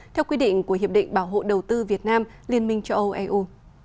theo quy định của hiệp định bảo hộ đầu tư việt nam liên minh châu âu eu